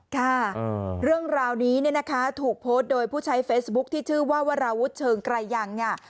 ค่ะเรื่องราวนี้เนี่ยนะคะถูกโพสต์โดยผู้ใช้เฟซบุ๊คที่ชื่อว่าวราวุฒิเชิงไกรยังเนี่ย